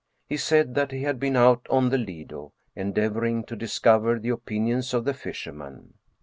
He had said that he had been out on the Lido, endeavoring to discover the opinions of the fishermen.